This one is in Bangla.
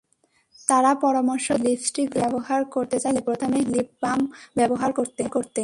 তাঁরা পরামর্শ দিচ্ছেন, লিপস্টিক ব্যবহার করতে চাইলে প্রথমে লিপ বাম ব্যবহারে করতে।